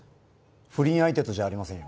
不倫相手とじゃありませんよ。